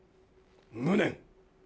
無念。